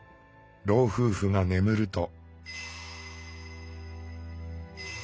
老夫婦が眠ると。